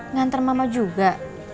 nganter mama juga